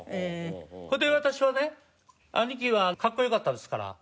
それで私はね兄貴はかっこ良かったですから。